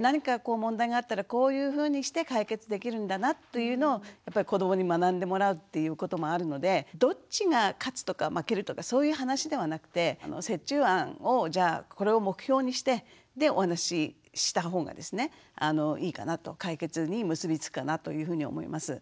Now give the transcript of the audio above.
何か問題があったらこういうふうにして解決できるんだなというのを子どもに学んでもらうっていうこともあるのでどっちが勝つとか負けるとかそういう話ではなくて折衷案をじゃあこれを目標にしてでお話しした方がですねいいかなと解決に結び付くかなというふうに思います。